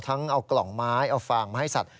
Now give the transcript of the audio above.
เอากล่องไม้เอาฟางมาให้สัตว